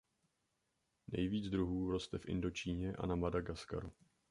Nejvíc druhů roste v Indočíně a na Madagaskaru.